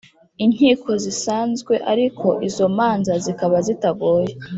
inkiko zisanzwe ariko izo manza zikaba zitagoye